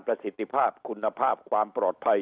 ประสิทธิภาพคุณภาพความปลอดภัย